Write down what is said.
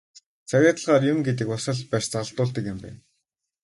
Цагаа тулахаар бас юм гэдэг чинь бас барьц алдуулдаг л юм байна.